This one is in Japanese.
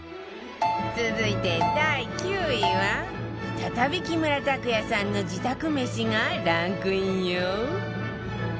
続いて第９位は再び木村拓哉さんの自宅めしがランクインよ